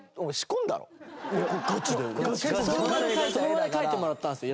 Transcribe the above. その場で描いてもらったんですよ